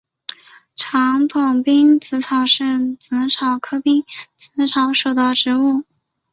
长筒滨紫草是紫草科滨紫草属的植物。